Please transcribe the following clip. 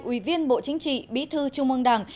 ủy viên bộ chính trị bí thư trung ương đảng